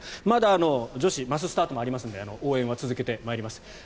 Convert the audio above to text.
まだ女子マススタートもありますので応援を続けてまいります。